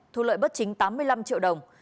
thu lợi bất chính tám mươi năm triệu đồng